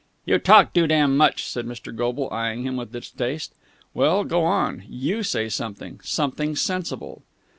"You talk too damn much!" said Mr. Goble, eyeing him with distaste. "Well, go on, you say something. Something sensible."